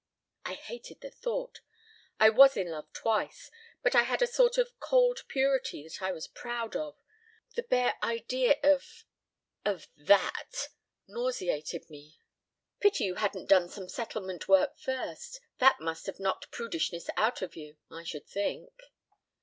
"I hated the thought. I was in love twice; but I had a sort of cold purity that I was proud of. The bare idea of of that nauseated me." "Pity you hadn't done settlement work first. That must have knocked prudishness out of you, I should think."